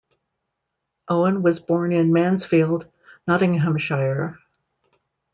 Owen was born in Mansfield, Nottinghamshire.